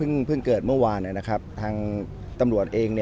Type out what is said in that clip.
อ๋อเหตุเพิ่งเกิดเมื่อวานทางตำรวจเองเนี่ย